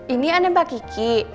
ini aneh mbak kiki